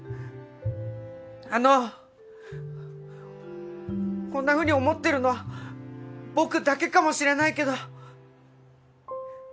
あのこんなふうに思ってるのは僕だけかもしれないけど。